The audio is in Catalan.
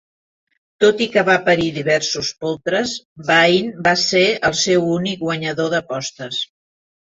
Tot i que va parir diversos poltres, Vain va ser el seu únic guanyador d'apostes.